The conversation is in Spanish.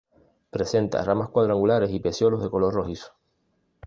Presenta ramas cuadrangulares y pecíolos de color rojizo.